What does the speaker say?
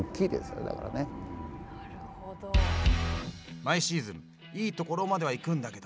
毎シーズン、いいところまでは行くんだけど。